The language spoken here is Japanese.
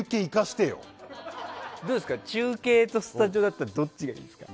中継とスタジオだったらどっちがいいですか？